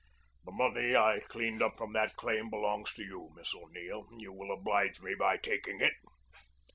"The money I cleaned up from that claim belongs to you, Miss O'Neill. You will oblige me by taking it."